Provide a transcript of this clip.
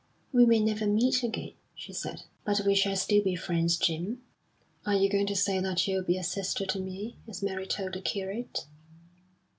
"We may never meet again," she said; "but we shall still be friends, Jim." "Are you going to say that you'll be a sister to me, as Mary told the curate?"